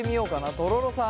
とろろさん。